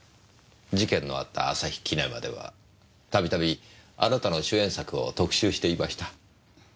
事件のあった旭キネマではたびたびあなたの主演作を特集していました。